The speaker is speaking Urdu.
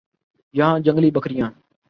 یہاں جنگلی بکریاں